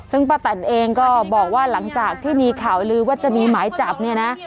ซึ่งป้าแตนเองก็บอกว่าหลังจากที่มีข่าวลือว่าจะมีหมายจับเนี่ยนะ